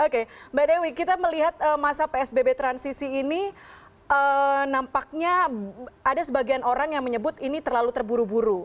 oke mbak dewi kita melihat masa psbb transisi ini nampaknya ada sebagian orang yang menyebut ini terlalu terburu buru